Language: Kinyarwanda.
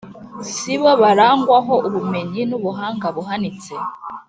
Si bo barangwaho ubumenyi n’ubuhanga buhanitse,